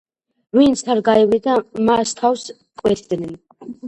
ვინც არ გაივლიდა, მას თავს კვეთდნენ.